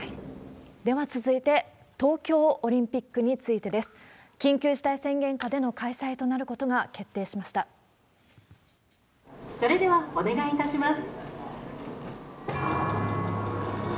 では続いて、東京オリンピックについてです。緊急事態宣言下での開催となるこそれでは、お願いいたします。